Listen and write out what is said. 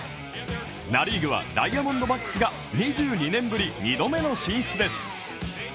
ナ・リーグはダイヤモンドバックスが２２年ぶり２度目の進出です。